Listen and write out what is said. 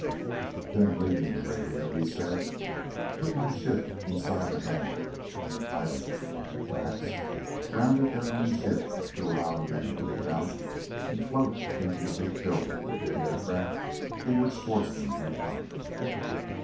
Then, leaving the radio, he said, "Put my ship inside the hangar;" and the pilot, Max, grounded their own ship to allow the men to leap out and float into the big building the big aircraft in which Schwartzmann had come.